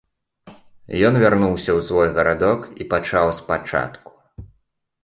Ён вярнуўся ў свой гарадок і пачаў спачатку.